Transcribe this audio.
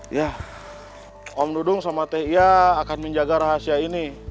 ya om dudung sama tia akan menjaga rahasia ini